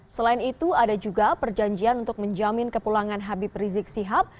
selain itu ada juga perjanjian untuk menjamin kepulangan habib rizik sihab